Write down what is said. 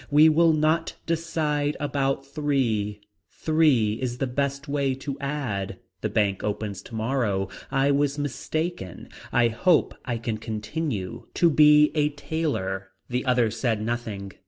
We will not decide about three. Three is the best way to add. The bank opens tomorrow. I was mistaken. I hope I can continue. To be a tailor. The other said nothing.